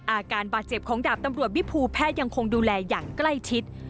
อาการบาดเจ็บของดาบตำรวจวิภูแพทย์ยังคงดูแลอย่างใกล้ชิด